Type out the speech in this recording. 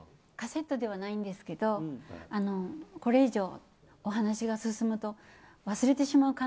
カセットではないんですけどこれ以上お話が進むとまさか。